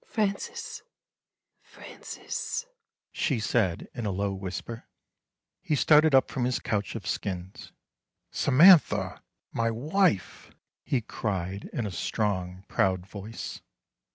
" Francis, Francis," she said in a low whisper. He started up from his couch of skins. " Samantha, my wife !" he cried in a strong proud voice.